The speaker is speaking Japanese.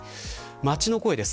街の声です。